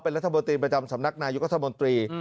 เป็นรัฐบาทีประจำสำนักนายุคธมตรี